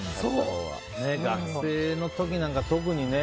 学生の時なんか特にね。